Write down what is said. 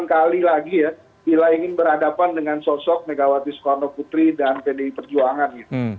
kalau saya menilai ini berhadapan dengan sosok megawati soekarno putri dan pdi perjuangan gitu